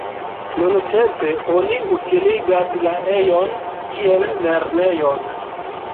Nuntempe oni utiligas la ejon kiel lernejon.